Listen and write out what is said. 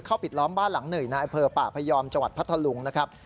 เข้าปิดล้อมบ้านหลังหนื่อยนายเผอร์ป่าพยอมจพัทธลุงนะครับ